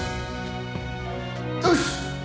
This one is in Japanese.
よし！